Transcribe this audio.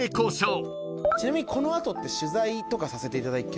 ちなみにこの後って。